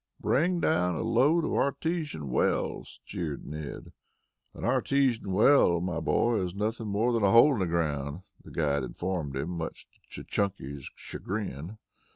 "Bring down a load of artesian wells!" jeered Ned. "An artesian well, my boy, is nothing more than a hole in the ground," the guide informed him, much to Chunky's chagrin.